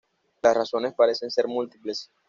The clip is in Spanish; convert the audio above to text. Las razones parecen ser múltiples.